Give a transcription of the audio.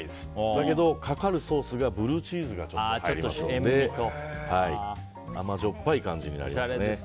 だけど、かかるソースがブルーチーズが入りますので甘じょっぱい感じになりますね。